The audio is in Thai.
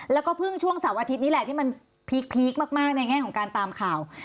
แล้วก็เพิ่งช่วงเสาร์อาทิตย์นี้แหละที่มันพีคมากในแง่ของการตามข่าว